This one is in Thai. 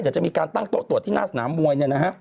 เดี๋ยวจะมีการตั้งโต๊ะตรวจที่ข้างหน้าสนามมวย